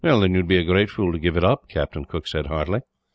"Then you would be a great fool to give it up," Captain Cooke said, heartily.